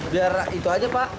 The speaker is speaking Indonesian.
biar itu aja pak